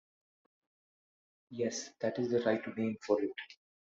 Yes, that is the right name for it.